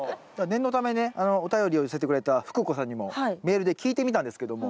念のためねお便りを寄せてくれた福子さんにもメールで聞いてみたんですけども。